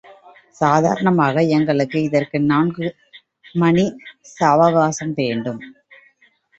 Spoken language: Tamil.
சாதாரணமாக எங்களுக்கு இதற்கு நான்கு மணி சாவகாசம் வேண்டும்.